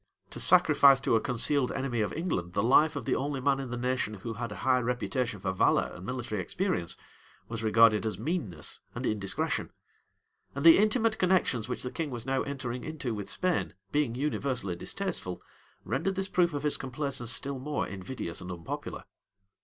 To sacrifice to a concealed enemy of England the life of the only man in the nation who had a high reputation for valor and military experience, was regarded as meanness and indiscretion; and the intimate connections which the king was now entering into with Spain, being universally distasteful, rendered this proof of his complaisance still more invidious and unpopular.